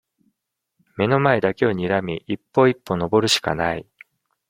眼の前だけをにらみ、一歩一歩登るしかない。